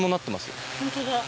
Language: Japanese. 本当だ。